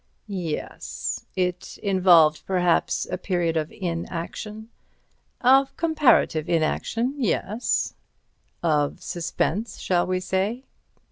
"Yes. It involved perhaps a period of inaction." "Of comparative inaction—yes." "Of suspense, shall we say?"